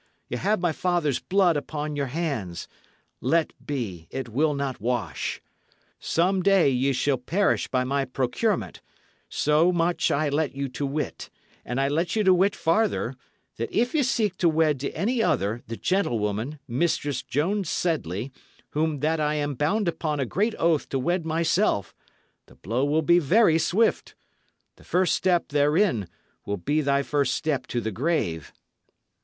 Ye have my father's blood upon your hands; let be, it will not wasshe. Some day ye shall perish by my procurement, so much I let you to wytte; and I let you to wytte farther, that if ye seek to wed to any other the gentylwoman, Mistresse Joan Sedley, whom that I am bound upon a great oath to wed myself, the blow will be very swift. The first step therinne will be thy first step to the grave.